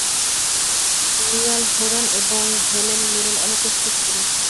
Niall Horan এবং Helen Mirren অনুপস্থিত ছিলেন।